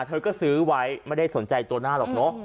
เธอก็ซื้อไว้ไม่ได้สนใจตัวหน้าหรอกเนอะ